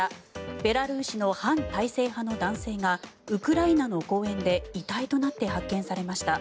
ベラルーシの反体制派の男性がウクライナの公園で遺体となって発見されました。